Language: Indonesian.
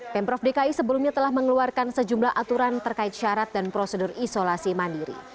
pemprov dki sebelumnya telah mengeluarkan sejumlah aturan terkait syarat dan prosedur isolasi mandiri